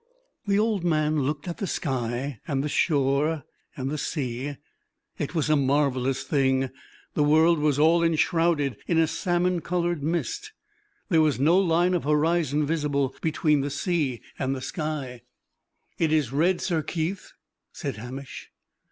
The old man looked at the sky, and the shore, and the sea. It was a marvelous thing. The world was all enshrouded in a salmon colored mist: there was no line of horizon visible between, the sea and the sky. "It is red, Sir Keith," said Hamish.